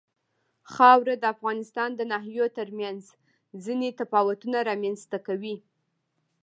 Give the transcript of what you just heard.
خاوره د افغانستان د ناحیو ترمنځ ځینې تفاوتونه رامنځ ته کوي.